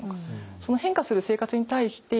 その変化する生活に対して例えば